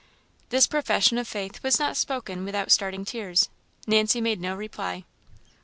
This profession of faith was not spoken without starting tears. Nancy made no reply.